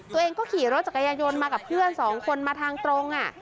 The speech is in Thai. ตัวเองก็ขี่รถจักรยายนต์มากับเพื่อนสองคนมาทางตรง